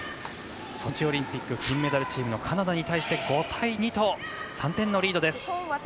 ソチオリンピック金メダルチームのカナダに対して５対２と３点のリードです。